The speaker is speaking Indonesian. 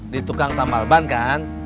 di tukang tambal ban kan